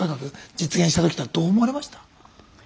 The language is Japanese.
実現した時っていうのはどう思われました？